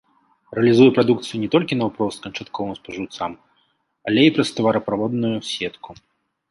Рэалізуе прадукцыю не толькі наўпрост канчатковым спажыўцам, але і праз тавараправодную сетку.